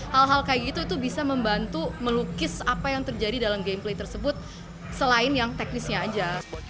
hal hal kayak gitu itu bisa membantu melukis apa yang terjadi dalam game play tersebut selain yang teknisnya aja